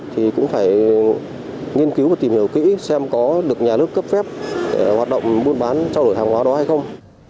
thì cũng phải nghiên cứu và tìm hiểu kỹ xem có được nhà nước cấp phép hoạt động mua bán cho loại hàng hóa đó hay không